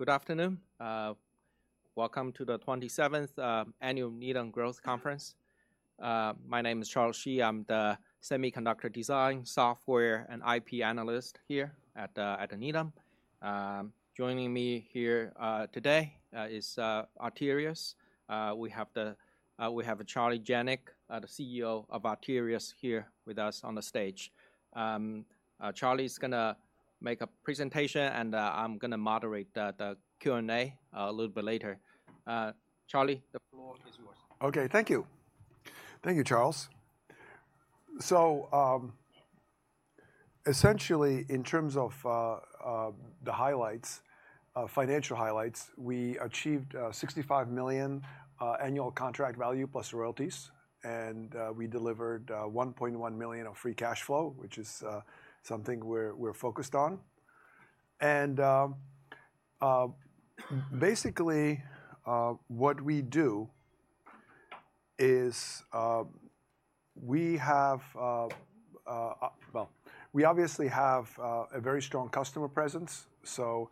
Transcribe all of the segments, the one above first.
Good afternoon. Welcome to the 27th annual Needham Growth Conference. My name is Charles Shi. I'm the semiconductor design software and IP analyst here at Needham. Joining me here today is Arteris. We have Charlie Janac, the CEO of Arteris, here with us on the stage. Charlie's gonna make a presentation, and I'm gonna moderate the Q&A a little bit later. Charlie, the floor is yours. Okay, thank you. Thank you, Charles. So, essentially, in terms of the highlights, financial highlights, we achieved $65 million annual contract value plus royalties, and we delivered $1.1 million of free cash flow, which is something we're focused on. Basically, what we do is we have, well, we obviously have a very strong customer presence. So,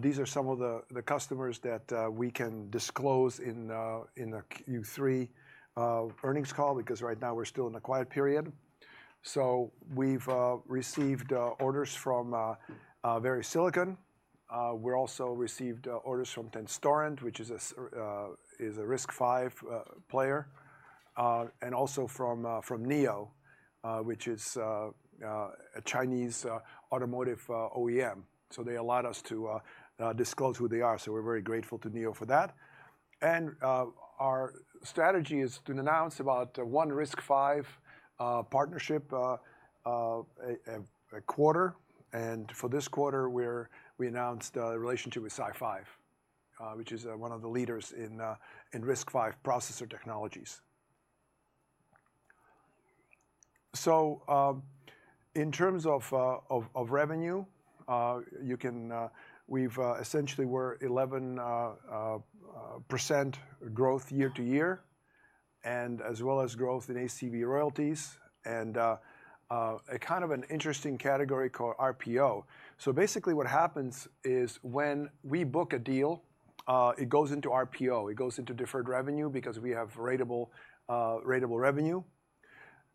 these are some of the customers that we can disclose in a Q3 earnings call, because right now we're still in a quiet period. So we've received orders from VeriSilicon. We've also received orders from Tenstorrent, which is a RISC-V player. And also from NIO, which is a Chinese automotive OEM. So they allowed us to disclose who they are. So we're very grateful to NIO for that. Our strategy is to announce about one RISC-V partnership a quarter. And for this quarter, we announced a relationship with SiFive, which is one of the leaders in RISC-V processor technologies. So, in terms of revenue, we've essentially 11% growth year to year, and as well as growth in ACV royalties, and a kind of an interesting category called RPO. So basically what happens is when we book a deal, it goes into RPO. It goes into deferred revenue because we have ratable revenue.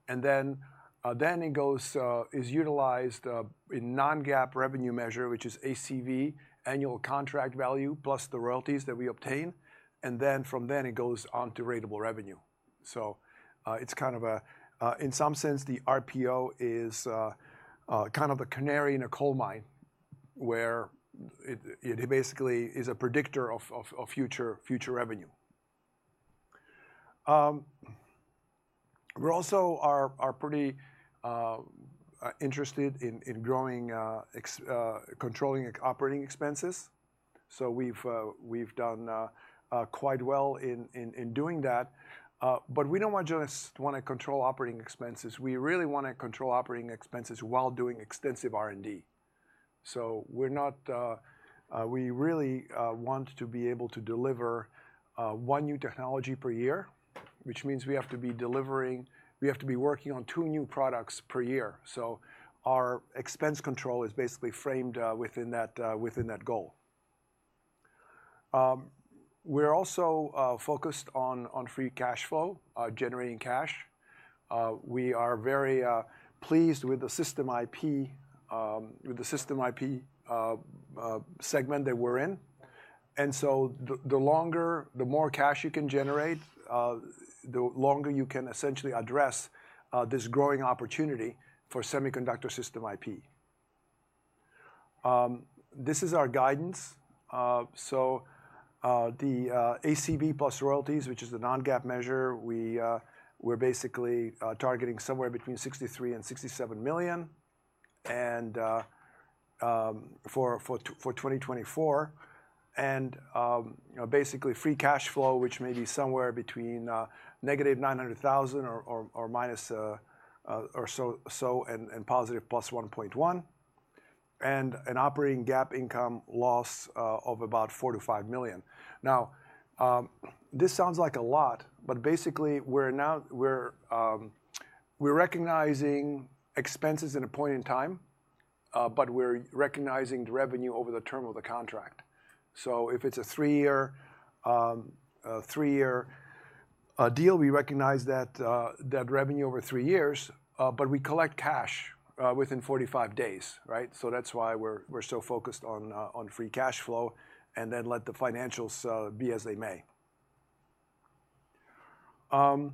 And then it goes is utilized in non-GAAP revenue measure, which is ACV, annual contract value plus the royalties that we obtain. And then from then it goes on to ratable revenue. So, it's kind of a, in some sense the RPO is kind of a canary in a coal mine where it basically is a predictor of future revenue. We're also pretty interested in controlling operating expenses. So we've done quite well in doing that. But we don't just want to control operating expenses. We really want to control operating expenses while doing extensive R&D. So we really want to be able to deliver one new technology per year, which means we have to be working on two new products per year. So our expense control is basically framed within that goal. We're also focused on free cash flow, generating cash. We are very pleased with the system IP segment that we're in. And so the longer, the more cash you can generate, the longer you can essentially address this growing opportunity for semiconductor system IP. This is our guidance. The ACV plus royalties, which is the non-GAAP measure, we're basically targeting somewhere between $63 million and $67 million for 2024. You know, basically free cash flow, which may be somewhere between negative $900,000 or so and positive $1.1 million. And an operating GAAP income loss of about $4 million to $5 million. Now, this sounds like a lot, but basically we're now recognizing expenses in a point in time, but we're recognizing the revenue over the term of the contract. If it's a three-year deal, we recognize that revenue over three years, but we collect cash within 45 days, right? That's why we're so focused on free cash flow and then let the financials be as they may. I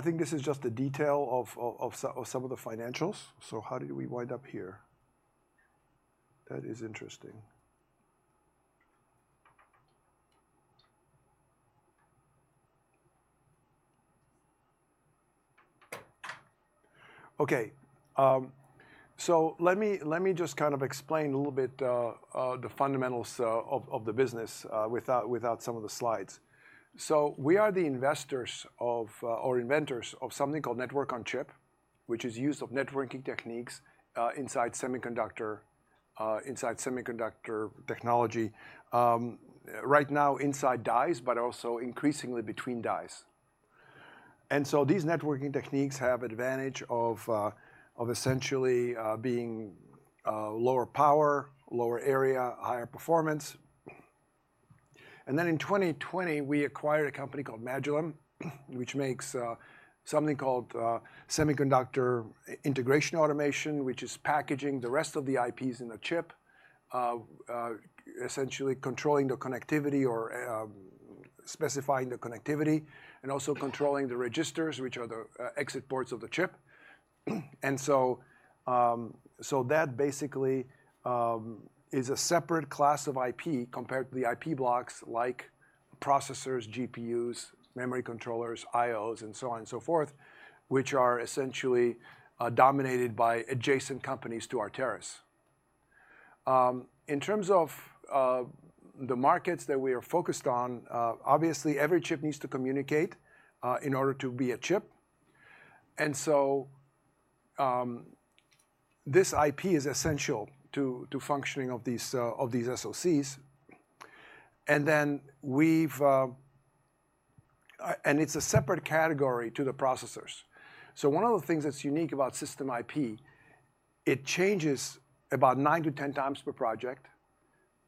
think this is just a detail of some of the financials. So how did we wind up here? That is interesting. Okay. Let me just kind of explain a little bit the fundamentals of the business without some of the slides. We are the inventors of something called network on chip, which is use of networking techniques inside semiconductor technology right now inside die, but also increasingly between die. And so these networking techniques have advantage of essentially being lower power, lower area, higher performance. In 2020, we acquired a company called Magillem, which makes something called semiconductor integration automation, which is packaging the rest of the IPs in the chip, essentially controlling the connectivity or specifying the connectivity and also controlling the registers, which are the exit ports of the chip. So that basically is a separate class of IP compared to the IP blocks like processors, GPUs, memory controllers, IOs, and so on and so forth, which are essentially dominated by adjacent companies to Arteris in terms of the markets that we are focused on. Obviously every chip needs to communicate in order to be a chip. So this IP is essential to the functioning of these SoCs. And it's a separate category to the processors. One of the things that's unique about system IP, it changes about 9 to 10 times per project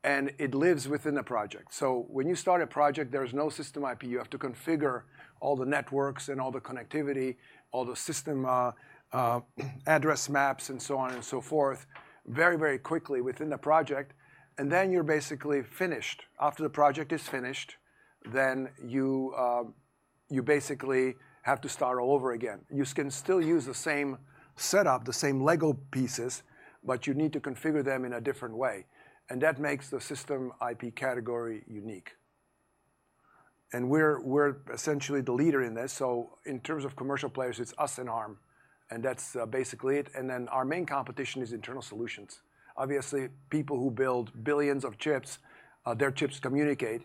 and it lives within a project. When you start a project, there's no system IP. You have to configure all the networks and all the connectivity, all the system, address maps and so on and so forth very, very quickly within the project. Then you're basically finished. After the project is finished, then you basically have to start all over again. You can still use the same setup, the same Lego pieces, but you need to configure them in a different way. That makes the system IP category unique. We're essentially the leader in this. In terms of commercial players, it's us and Arm, and that's basically it. Our main competition is internal solutions. Obviously, people who build billions of chips, their chips communicate.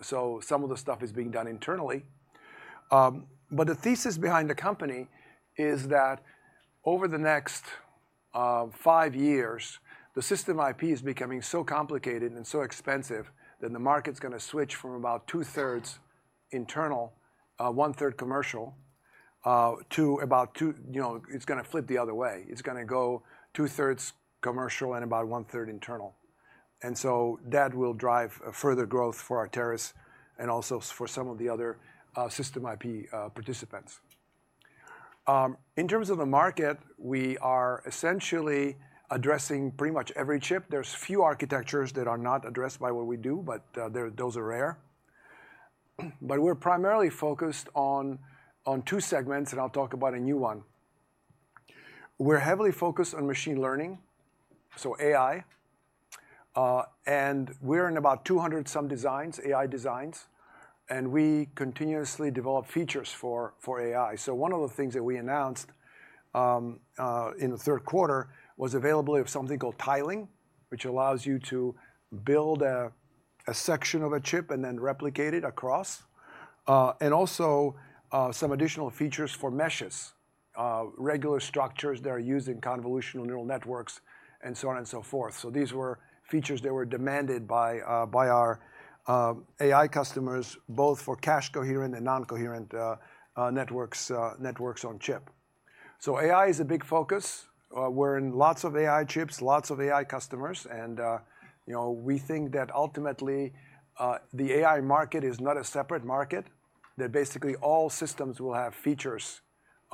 So some of the stuff is being done internally. But the thesis behind the company is that over the next five years, the system IP is becoming so complicated and so expensive that the market's gonna switch from about two-thirds internal, one-third commercial, to about two, you know, it's gonna flip the other way. It's gonna go two-thirds commercial and about one-third internal. And so that will drive further growth for Arteris and also for some of the other system IP participants. In terms of the market, we are essentially addressing pretty much every chip. There's few architectures that are not addressed by what we do, but they're, those are rare. But we're primarily focused on, on two segments, and I'll talk about a new one. We're heavily focused on machine learning, so AI. We're in about 200-some designs, AI designs, and we continuously develop features for AI. One of the things that we announced in the third quarter was availability of something called tiling, which allows you to build a section of a chip and then replicate it across. We also have some additional features for meshes, regular structures that are used in convolutional neural networks and so on and so forth. These were features that were demanded by our AI customers, both for cache coherent and non-coherent networks on chip. AI is a big focus. We're in lots of AI chips, lots of AI customers. You know, we think that ultimately, the AI market is not a separate market, that basically all systems will have features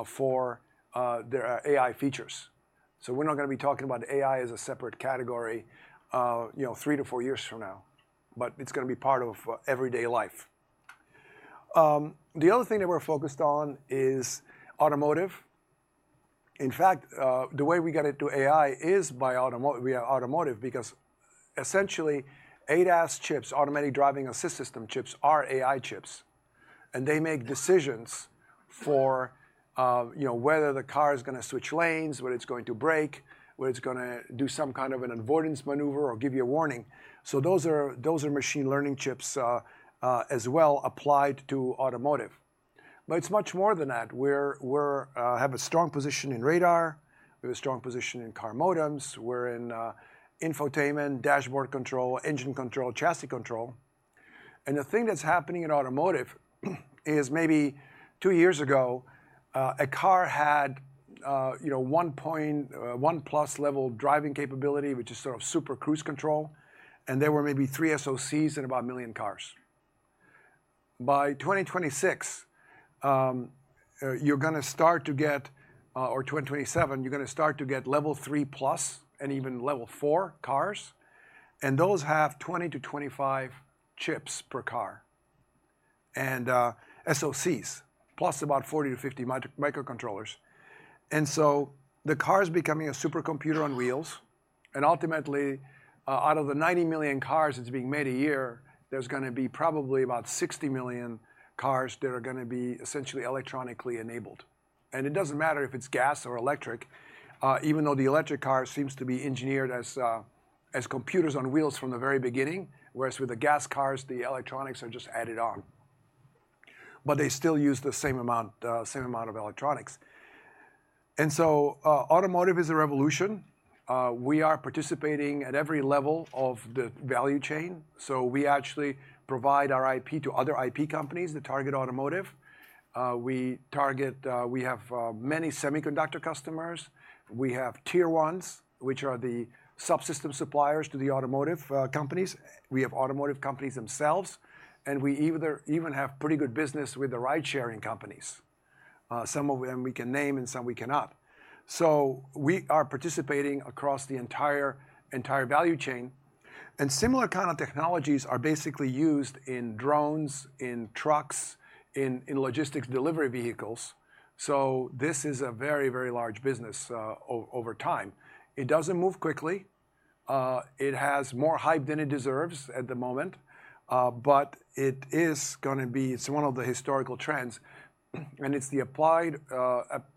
for their AI features. So we're not gonna be talking about AI as a separate category, you know, three to four years from now, but it's gonna be part of everyday life. The other thing that we're focused on is automotive. In fact, the way we got into AI is via automotive, because essentially ADAS chips, automatic driving assist system chips are AI chips, and they make decisions for, you know, whether the car is gonna switch lanes, whether it's going to brake, whether it's gonna do some kind of an avoidance maneuver or give you a warning. So those are machine learning chips, as well applied to automotive. But it's much more than that. We have a strong position in radar. We have a strong position in car modems. We're in infotainment, dashboard control, engine control, chassis control. The thing that's happening in automotive is maybe two years ago, a car had, you know, one point one plus level driving capability, which is sort of super cruise control. And there were maybe three SoCs and about a million cars. By 2026, you're gonna start to get, or 2027, you're gonna start to get level three plus and even level four cars. And those have 20 to 25 chips per car and SoCs plus about 40 to 50 microcontrollers. And so the car's becoming a supercomputer on wheels. And ultimately, out of the 90 million cars that's being made a year, there's gonna be probably about 60 million cars that are gonna be essentially electronically enabled. And it doesn't matter if it's gas or electric, even though the electric car seems to be engineered as computers on wheels from the very beginning, whereas with the gas cars, the electronics are just added on. But they still use the same amount, same amount of electronics. And so, automotive is a revolution. We are participating at every level of the value chain. So we actually provide our IP to other IP companies that target automotive. We target, we have many semiconductor customers. We have tier ones, which are the subsystem suppliers to the automotive companies. We have automotive companies themselves, and we either even have pretty good business with the ride-sharing companies. Some of them we can name and some we cannot. So we are participating across the entire, entire value chain. And similar kind of technologies are basically used in drones, in trucks, in logistics delivery vehicles. So this is a very, very large business over time. It doesn't move quickly. It has more hype than it deserves at the moment. But it is gonna be. It's one of the historical trends. And it's the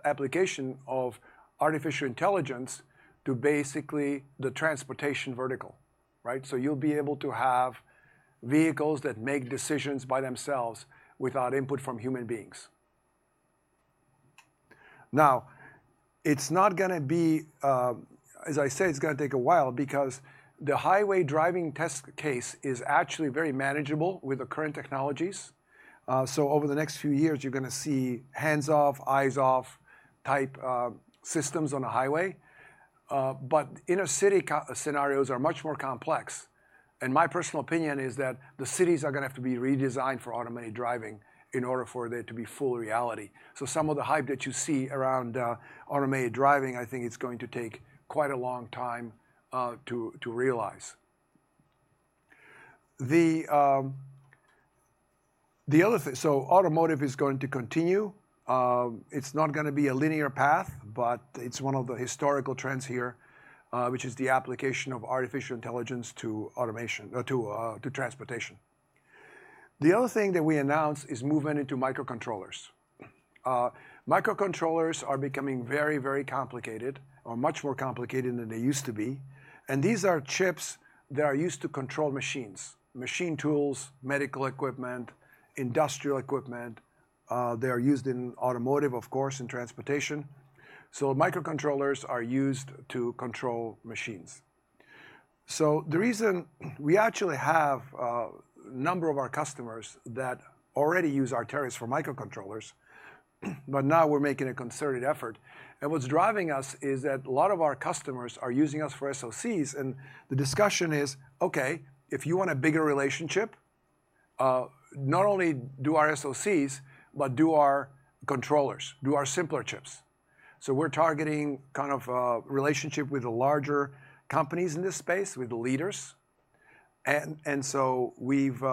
application of artificial intelligence to basically the transportation vertical, right? So you'll be able to have vehicles that make decisions by themselves without input from human beings. Now, it's not gonna be, as I said. It's gonna take a while because the highway driving test case is actually very manageable with the current technologies. So over the next few years, you're gonna see hands-off, eyes-off type systems on a highway. But inner city scenarios are much more complex. My personal opinion is that the cities are gonna have to be redesigned for automated driving in order for there to be full reality. So some of the hype that you see around automated driving, I think it's going to take quite a long time to realize. The other thing, so automotive is going to continue. It's not gonna be a linear path, but it's one of the historical trends here, which is the application of artificial intelligence to automation or to transportation. The other thing that we announced is movement into microcontrollers. Microcontrollers are becoming very, very complicated or much more complicated than they used to be. And these are chips that are used to control machines, machine tools, medical equipment, industrial equipment. They're used in automotive, of course, in transportation. So microcontrollers are used to control machines. The reason we actually have a number of our customers that already use Arteris for microcontrollers, but now we're making a concerted effort. What's driving us is that a lot of our customers are using us for SoCs. The discussion is, okay, if you want a bigger relationship, not only do our SoCs, but do our controllers, do our simpler chips. We're targeting kind of a relationship with the larger companies in this space, with the leaders. So we've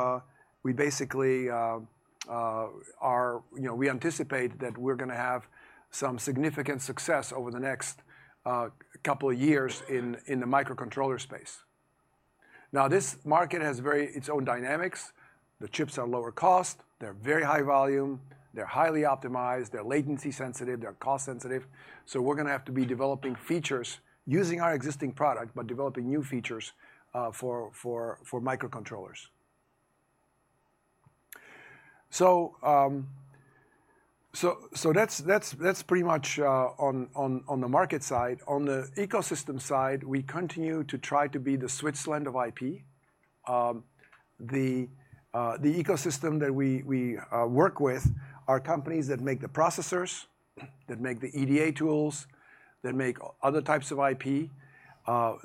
basically, you know, anticipate that we're gonna have some significant success over the next couple of years in the microcontroller space. This market has its very own dynamics. The chips are lower cost, they're very high volume, they're highly optimized, they're latency sensitive, they're cost sensitive. So we're gonna have to be developing features using our existing product, but developing new features for microcontrollers. So that's pretty much on the market side. On the ecosystem side, we continue to try to be the Switzerland of IP. The ecosystem that we work with are companies that make the processors, that make the EDA tools, that make other types of IP,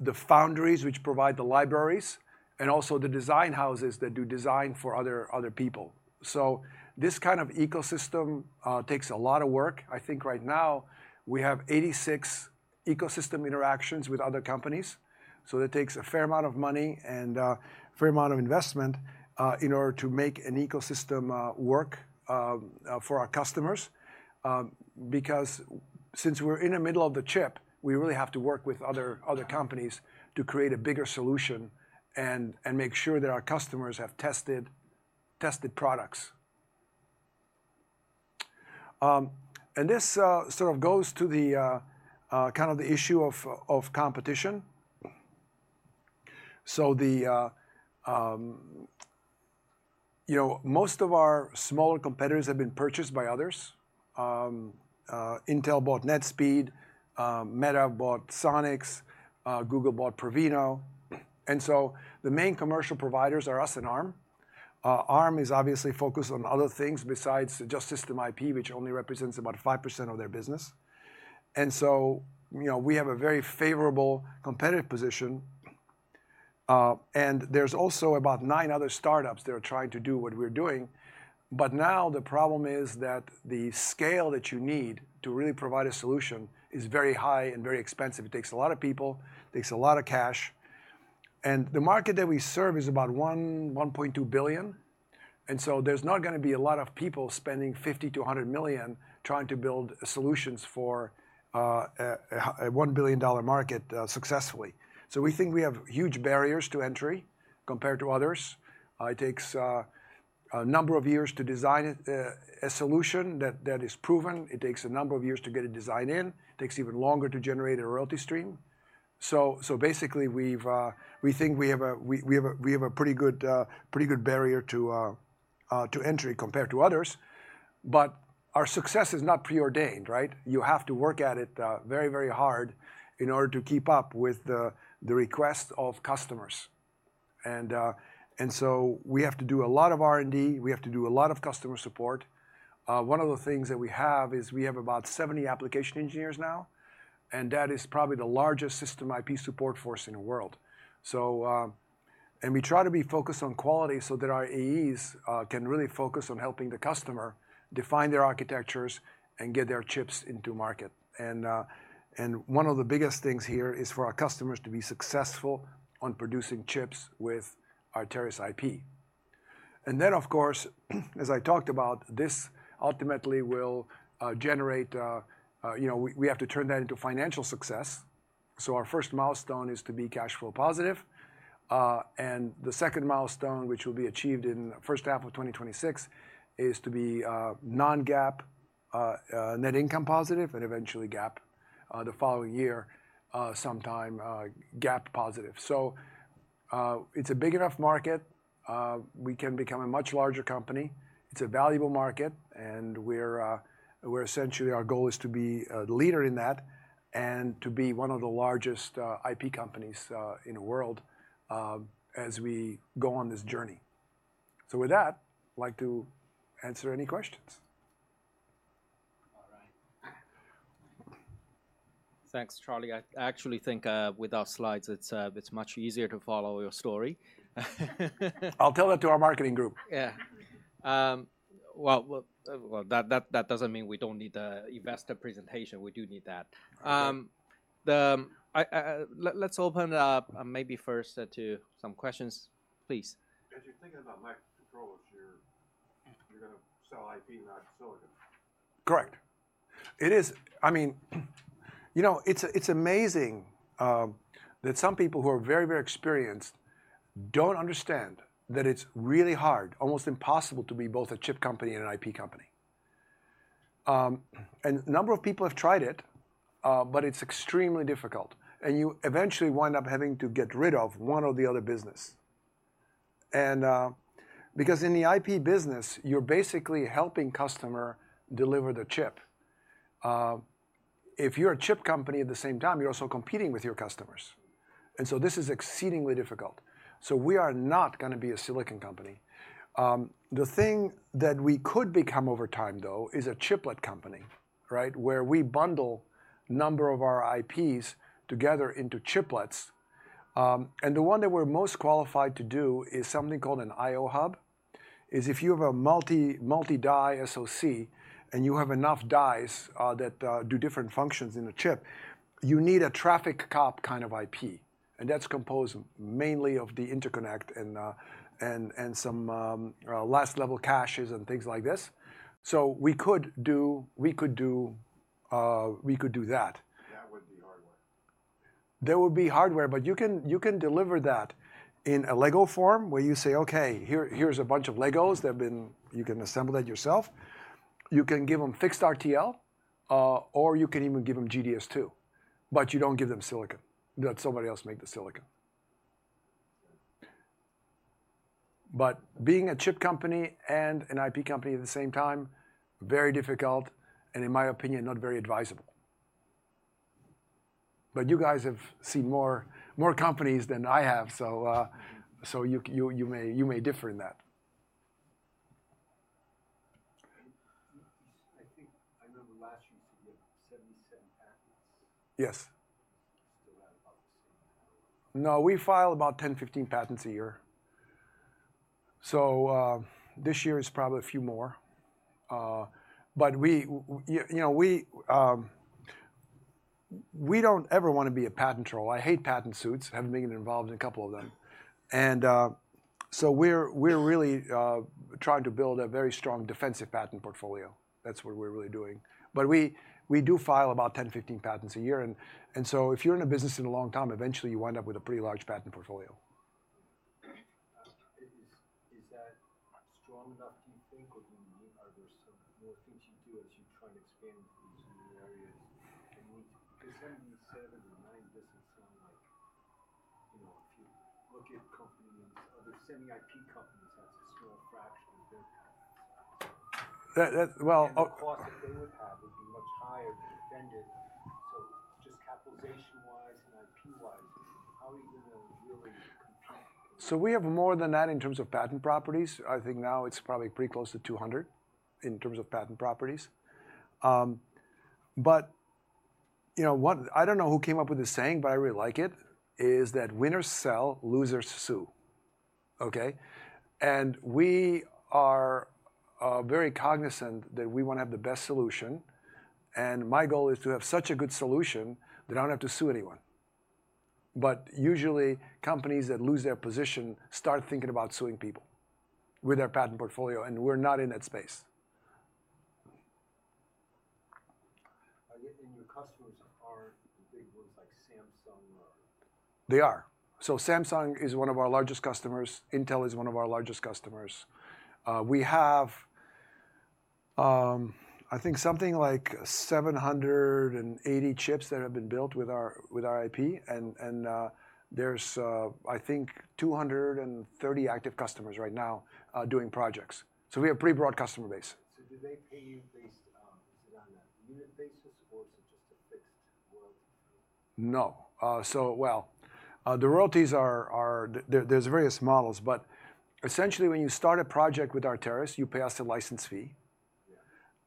the foundries which provide the libraries, and also the design houses that do design for other people. So this kind of ecosystem takes a lot of work. I think right now we have 86 ecosystem interactions with other companies. So that takes a fair amount of money and a fair amount of investment in order to make an ecosystem work for our customers. Because since we're in the middle of the chip, we really have to work with other companies to create a bigger solution and make sure that our customers have tested products, and this sort of goes to the kind of issue of competition, so, you know, most of our smaller competitors have been purchased by others. Intel bought NetSpeed, Meta bought Sonics, Google bought Provino, and so the main commercial providers are us and Arm. Arm is obviously focused on other things besides just system IP, which only represents about 5% of their business, and so, you know, we have a very favorable competitive position, and there's also about nine other startups that are trying to do what we're doing, but now the problem is that the scale that you need to really provide a solution is very high and very expensive. It takes a lot of people, takes a lot of cash. And the market that we serve is about $1.2 billion. And so there's not gonna be a lot of people spending $50-100 million trying to build solutions for a $1 billion market, successfully. So we think we have huge barriers to entry compared to others. It takes a number of years to design a solution that is proven. It takes a number of years to get a design in. It takes even longer to generate a royalty stream. So basically we think we have a pretty good barrier to entry compared to others. But our success is not preordained, right? You have to work at it, very, very hard in order to keep up with the request of customers. So we have to do a lot of R&D. We have to do a lot of customer support. One of the things that we have is we have about 70 application engineers now, and that is probably the largest system IP support force in the world. We try to be focused on quality so that our AEs can really focus on helping the customer define their architectures and get their chips to market. One of the biggest things here is for our customers to be successful in producing chips with Arteris IP. And then, of course, as I talked about, this ultimately will generate, you know, we have to turn that into financial success, so our first milestone is to be cash flow positive. And the second milestone, which will be achieved in the first half of 2026, is to be non-GAAP net income positive and eventually GAAP the following year, sometime, GAAP positive. So, it's a big enough market. We can become a much larger company. It's a valuable market. And we're essentially our goal is to be a leader in that and to be one of the largest IP companies in the world, as we go on this journey. So with that, I'd like to answer any questions. All right. Thanks, Charlie. I actually think with our slides it's much easier to follow your story. I'll tell that to our marketing group. Yeah. Well, that doesn't mean we don't need the investor presentation. We do need that. Let's open it up maybe first to some questions, please. As you're thinking about microcontrollers, you're gonna sell IP not silicon. Correct. It is, I mean, you know, it's amazing, that some people who are very, very experienced don't understand that it's really hard, almost impossible to be both a chip company and an IP company. And a number of people have tried it, but it's extremely difficult. And, because in the IP business, you're basically helping customer deliver the chip. If you're a chip company at the same time, you're also competing with your customers. And so this is exceedingly difficult. So we are not gonna be a silicon company. The thing that we could become over time though is a chiplet company, right? Where we bundle a number of our IPs together into chiplets. The one that we're most qualified to do is something called an IO hub. If you have a multi-die SoC and you have enough dies that do different functions in a chip, you need a traffic cop kind of IP. And that's composed mainly of the interconnect and some last level caches and things like this. So we could do that. That would be hardware. There would be hardware, but you can deliver that in a Lego form where you say, okay, here's a bunch of Legos that have been, you can assemble that yourself. You can give them fixed RTL, or you can even give them GDSII, but you don't give them silicon. Let somebody else make the silicon. But being a chip company and an IP company at the same time, very difficult and in my opinion, not very advisable. But you guys have seen more companies than I have. So you may differ in that. I think I remember last year you said you have 77 patents. Yes. Still have about the same patent. No, we file about 10-15 patents a year. So this year is probably a few more. But we, you know, we don't ever wanna be a patent troll. I hate patent suits, haven't been involved in a couple of them. And so we're really trying to build a very strong defensive patent portfolio. That's what we're really doing. But we do file about 10-15 patents a year. If you're in a business in a long time, eventually you wind up with a pretty large patent portfolio. Is that strong enough, do you think, or do you need, are there some more things you do as you try to expand into new areas? I mean, because 77 or nine doesn't sound like, you know, if you look at companies, other semi IP companies, that's a small fraction of their patents. That well, the cost that they would have would be much higher than defended. So just capitalization wise and IP wise, how are you gonna really compete? We have more than that in terms of patent properties. I think now it's probably pretty close to 200 in terms of patent properties. But you know, one, I don't know who came up with this saying, but I really like it, is that winners sell, losers sue. Okay? And we are very cognizant that we wanna have the best solution. And my goal is to have such a good solution that I don't have to sue anyone. But usually companies that lose their position start thinking about suing people with their patent portfolio. And we're not in that space. Are your customers the big ones like Samsung? They are. So Samsung is one of our largest customers. Intel is one of our largest customers. We have, I think, something like 780 chips that have been built with our IP. And there's, I think, 230 active customers right now doing projects. So we have a pretty broad customer base. So, do they pay you based, is it on a unit basis or is it just a fixed royalty for? No. So, well, the royalties are. There are various models, but essentially when you start a project with Arteris, you pay us a license fee.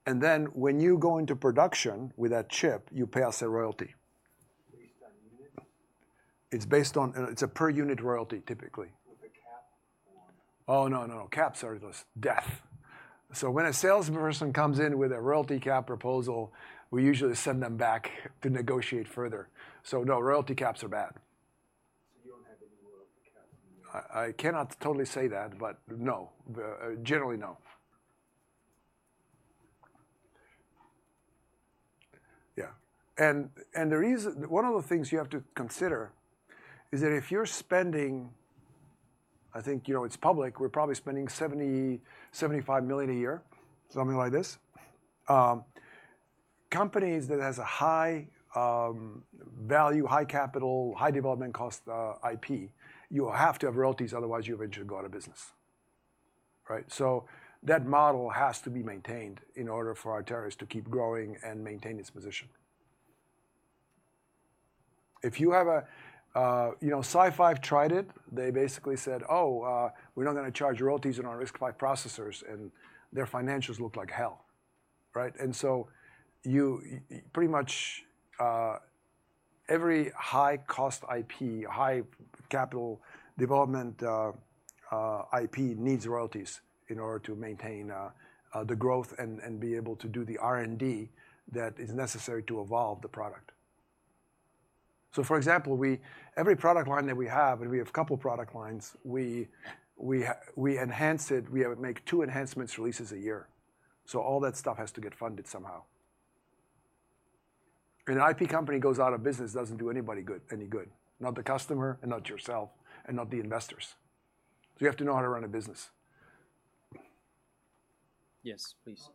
Yeah. And then when you go into production with that chip, you pay us a royalty. Based on units? It's based on, it's a per unit royalty typically. With a cap or? Oh, no, no, no. Caps are the death. So when a salesperson comes in with a royalty cap proposal, we usually send them back to negotiate further. So no, royalty caps are bad. So you don't have any royalty caps in your? I cannot totally say that, but no, generally no. Yeah. The reason, one of the things you have to consider is that if you're spending, I think, you know, it's public, we're probably spending $70-$75 million a year, something like this. Companies that have a high value, high capital, high development cost IP, you have to have royalties, otherwise you eventually go out of business. Right? So that model has to be maintained in order for Arteris to keep growing and maintain its position. If you have a, you know, SiFive tried it, they basically said, oh, we're not gonna charge royalties on our RISC-V processors and their financials look like hell. Right? And so you pretty much, every high cost IP, high capital development IP needs royalties in order to maintain the growth and be able to do the R&D that is necessary to evolve the product. So for example, every product line that we have, and we have a couple product lines, we enhance it, we make two enhancement releases a year. So all that stuff has to get funded somehow. And an IP company goes out of business, doesn't do anybody good, not the customer and not yourself and not the investors. So you have to know how to run a business. Yes, please.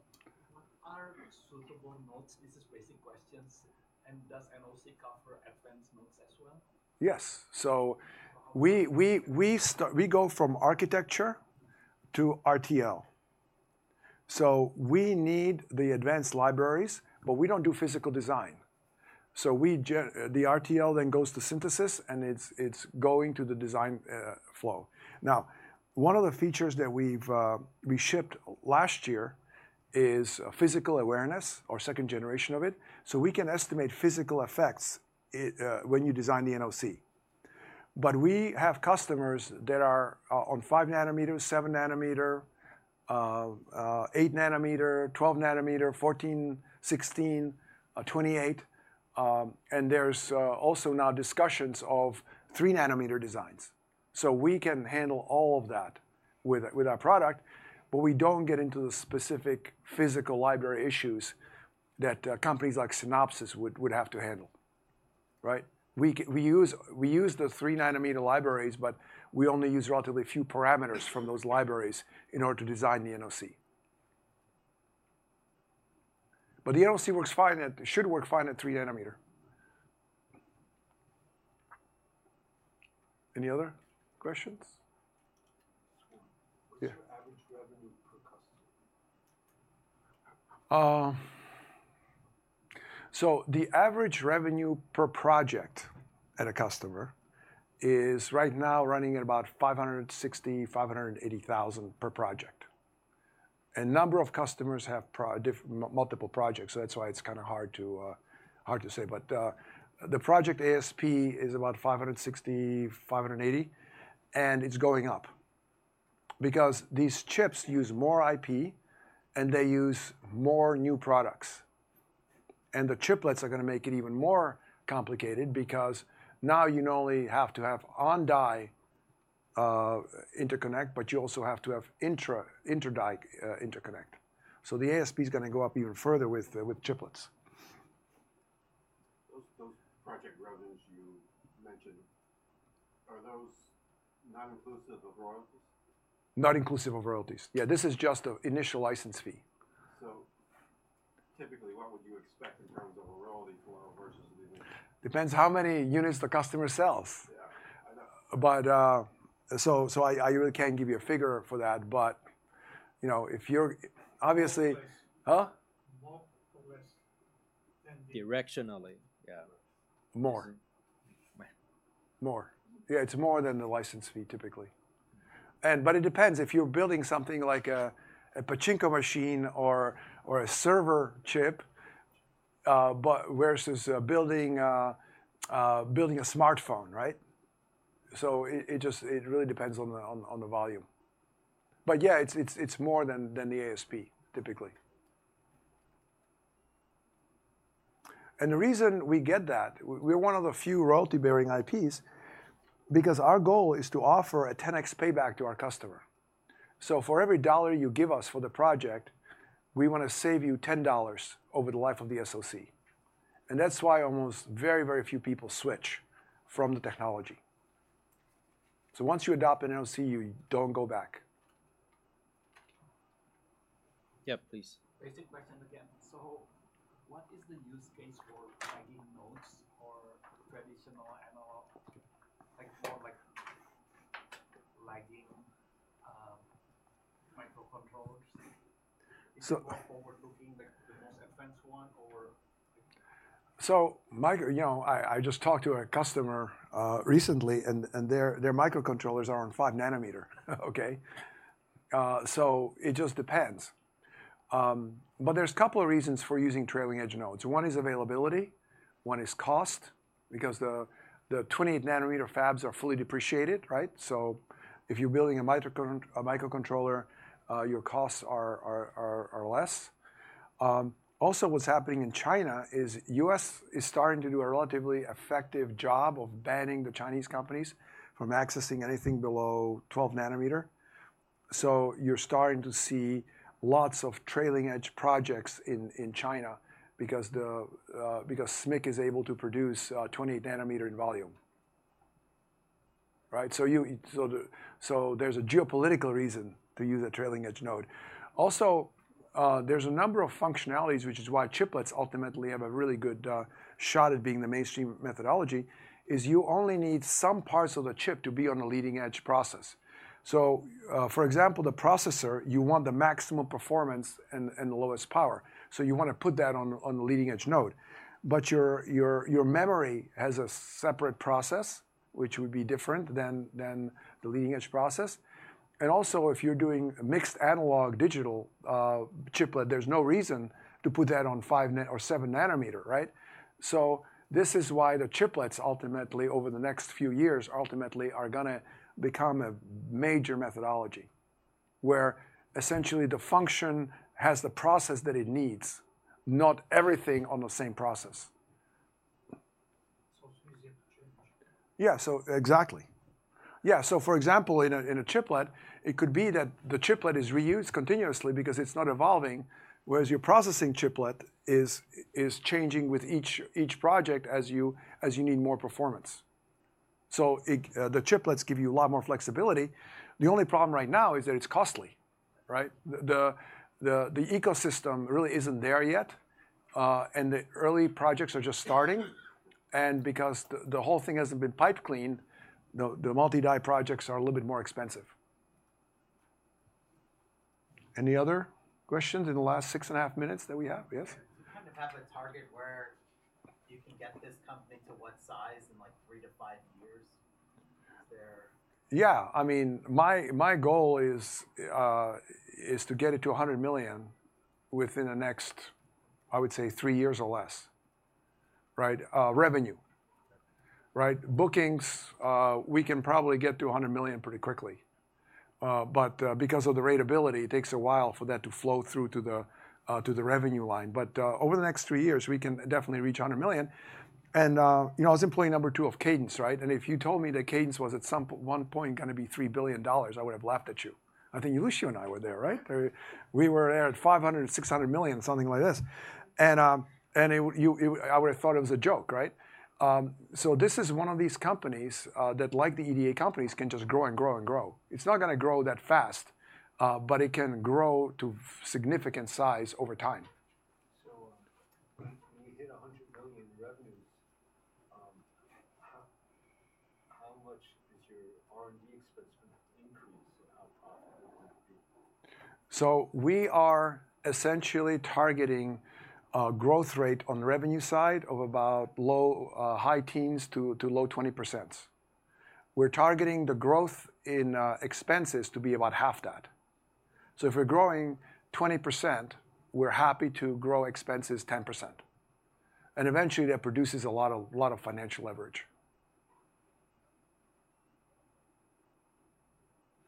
Are suitable nodes? This is basic questions. And does NoC cover advanced nodes as well? Yes. So we start, we go from architecture to RTL. So we need the advanced libraries, but we don't do physical design. So we generate, the RTL then goes to synthesis and it's going to the design flow. Now, one of the features that we've shipped last year is physical awareness or second generation of it. So we can estimate physical effects in it when you design the NoC. But we have customers that are on five nanometers, seven nanometer, eight nanometer, 12 nanometer, 14, 16, 28, and there's also now discussions of three nanometer designs. So we can handle all of that with our product, but we don't get into the specific physical library issues that companies like Synopsys would have to handle. Right? We can use the three nanometer libraries, but we only use relatively few parameters from those libraries in order to design the NoC. But the NoC works fine at, should work fine at three nanometer. Any other questions? Yeah. Average revenue per customer? So the average revenue per project at a customer is right now running at about $560,000-$580,000 per project. And number of customers have multiple projects. So that's why it's kind of hard to, hard to say. But the project ASP is about 560-580, and it's going up because these chips use more IP and they use more new products. And the chiplets are gonna make it even more complicated because now you not only have to have on-die interconnect, but you also have to have intra, inter-die interconnect. So the ASP's gonna go up even further with, with chiplets. Those, those project revenues you mentioned, are those not inclusive of royalties? Not inclusive of royalties. Yeah. This is just an initial license fee. So typically what would you expect in terms of a royalty flow versus the initial? Depends how many units the customer sells. Yeah. I know. But, so, so I, I really can't give you a figure for that, but you know, if you're obviously, huh? More or less than? Directionally, yeah. More. More. Yeah. It's more than the license fee typically. But it depends. If you're building something like a Pachinko machine or a server chip, but versus building a smartphone, right? So it just really depends on the volume. But yeah, it's more than the ASP typically. And the reason we get that, we're one of the few royalty bearing IPs because our goal is to offer a 10X payback to our customer. So for every dollar you give us for the project, we wanna save you $10 over the life of the SOC. And that's why almost very few people switch from the technology. So once you adopt an NOC, you don't go back. Yep, please. Basic question again. So what is the use case for lagging nodes or traditional analog, like more like lagging microcontrollers? So overlooking like the most advanced one or like? So you know, I just talked to a customer recently, and their microcontrollers are on five nanometer. Okay? So it just depends. But there's a couple of reasons for using trailing edge nodes. One is availability, one is cost because the 28-nanometer fabs are fully depreciated, right? So if you're building a microcontroller, your costs are less. Also what's happening in China is the U.S. is starting to do a relatively effective job of banning the Chinese companies from accessing anything below 12-nanometer. So you're starting to see lots of trailing edge projects in China because SMIC is able to produce 28-nanometer in volume. Right? There's a geopolitical reason to use a trailing edge node. Also, there's a number of functionalities, which is why chiplets ultimately have a really good shot at being the mainstream methodology is you only need some parts of the chip to be on the leading edge process. For example, the processor, you want the maximum performance and the lowest power. You wanna put that on the leading edge node. But your memory has a separate process, which would be different than the leading edge process. Also if you're doing mixed analog digital chiplet, there's no reason to put that on 5 nm or 7 nm. Right? So this is why the chiplets ultimately over the next few years ultimately are gonna become a major methodology where essentially the function has the process that it needs, not everything on the same process. So it's easy to change. Yeah. So exactly. Yeah. So for example, in a chiplet, it could be that the chiplet is reused continuously because it's not evolving, whereas your processing chiplet is changing with each project as you need more performance. So the chiplets give you a lot more flexibility. The only problem right now is that it's costly. Right? The ecosystem really isn't there yet, and the early projects are just starting. And because the whole thing hasn't been proven, the multi-die projects are a little bit more expensive. Any other questions in the last six and a half minutes that we have? Yes. Do you kind of have a target where you can get this company to what size in like three to five years? Is there? Yeah. I mean, my goal is to get it to a hundred million within the next, I would say three years or less. Right? Revenue. Right? Bookings, we can probably get to a hundred million pretty quickly. But because of the ratability, it takes a while for that to flow through to the revenue line. But over the next three years, we can definitely reach a hundred million. And you know, I was employee number two of Cadence, right? And if you told me that Cadence was at some point gonna be $3 billion, I would have laughed at you. I think you and I were there, right? We were there at 500-600 million, something like this. And it, I would have thought it was a joke. Right? So this is one of these companies, that like the EDA companies can just grow and grow and grow. It's not gonna grow that fast, but it can grow to significant size over time. So, when we hit 100 million in revenues, how much is your R&D expense gonna increase and how profitable will it be? So we are essentially targeting a growth rate on the revenue side of about low- to high-teens to low 20%. We're targeting the growth in expenses to be about half that. So if we're growing 20%, we're happy to grow expenses 10%. And eventually that produces a lot of financial leverage.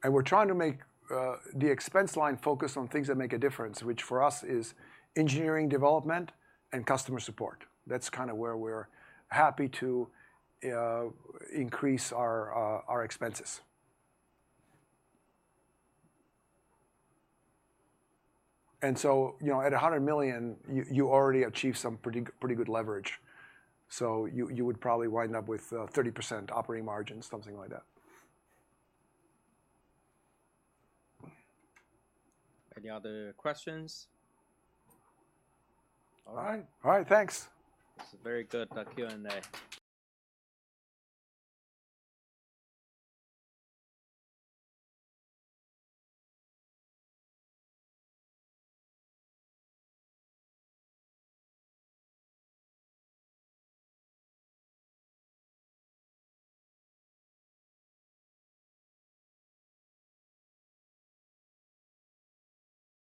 We're trying to make the expense line focus on things that make a difference, which for us is engineering development and customer support. That's kind of where we're happy to increase our expenses. So, you know, at a hundred million, you already achieve some pretty good leverage. So you would probably wind up with 30% operating margin, something like that. Any other questions? All right. All right. Thanks. It's a very good Q&A.